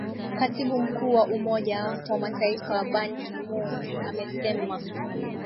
Katibu Mkuu wa Umoja wa Mataifa Ban Ki Moon amesemma